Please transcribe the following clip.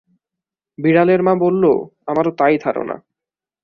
বিড়ালের মা বলল, আমারও তাই ধারণা।